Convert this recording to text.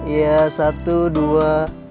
iya satu dua